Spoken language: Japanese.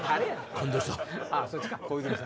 感動した！